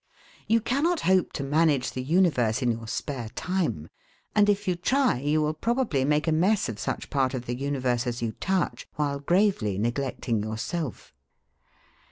You cannot hope to manage the universe in your spare time, and if you try you will probably make a mess of such part of the universe as you touch, while gravely neglecting yourself.